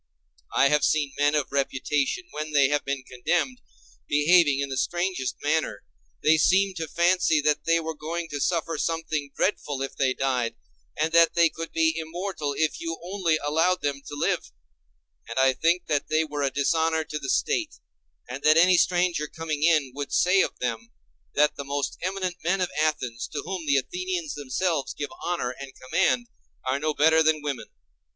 I have seen men of reputation, when they have been condemned, behaving in the strangest manner: they seemed to fancy that they were going to suffer something dreadful if they died, and that they could be immortal if you only allowed them to live; and I think that they were a dishonor to the State, and that any stranger coming in would say of them that the most eminent men of Athens, to whom the Athenians themselves give honor and command, are no better than women.